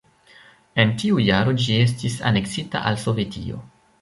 En tiu jaro ĝi estis aneksita al Sovetio.